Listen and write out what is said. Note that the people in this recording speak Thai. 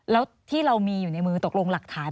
แล้วที่เรามีอยู่ในมือตกลงหลักฐาน